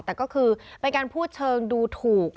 แต่ก็คือเป็นการพูดเชิงดูถูก